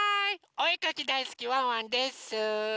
おえかきだいすきワンワンです！